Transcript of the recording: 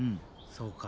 そうか。